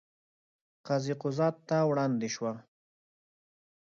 قاضي قضات ته وړاندې شوه.